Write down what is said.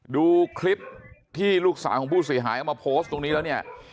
ดูคลิปที่ลูกสาวของผู้เสียหายเอามาโพสต์ตรงนี้แล้วเนี่ย